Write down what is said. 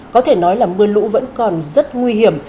có thể nói là mưa lũ vẫn còn rất nguy hiểm